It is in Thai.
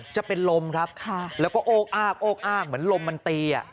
จะเป็นลมครับแล้วก็โอ้กอ้างเหมือนลมมันตี